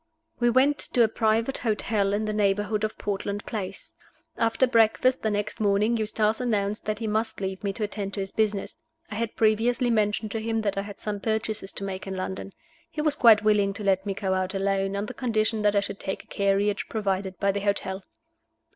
We went to a private hotel in the neighborhood of Portland Place. After breakfast the next morning Eustace announced that he must leave me to attend to his business. I had previously mentioned to him that I had some purchases to make in London. He was quite willing to let me go out alone, on the condition that I should take a carriage provided by the hotel.